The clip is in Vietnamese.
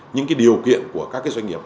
những cái điều kiện của các cái doanh nghiệp